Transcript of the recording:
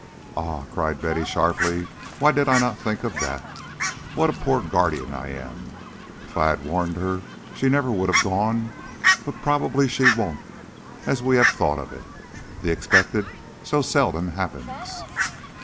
"Ah!" cried Betty, sharply. "Why did I not think of that? What a poor guardian I am! If I had warned her, she never would have gone but probably she won't, as we have thought of it. The expected so seldom happens."